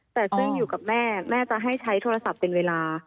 แต่ซึ่งอยู่กับแม่แม่จะให้ใช้โทรศัพท์เป็นเวลา